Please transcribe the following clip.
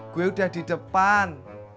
gue udah di depan